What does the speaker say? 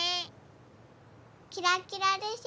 キラキラでしょ？